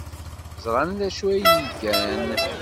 Ẓran d acu ay iyi-gan.